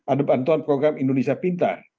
ada bantuan program indonesia pintar